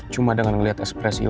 cuma dengan liat ekspresi lo